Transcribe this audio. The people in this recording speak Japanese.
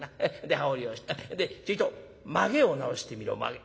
で羽織をちょいとまげを直してみろまげ。